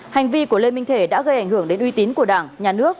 hành vi của lê minh thể đã gây ảnh hưởng đến uy tín của đảng nhà nước